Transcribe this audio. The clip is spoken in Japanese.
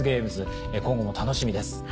今後も楽しみです。